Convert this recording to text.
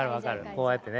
こうやってね。